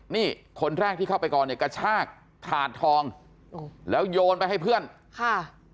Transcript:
นี่คนแรกที่เข้าไปก่อนเนี่ยกระชากถาดทองแล้วโยนไปให้เพื่อนค่ะ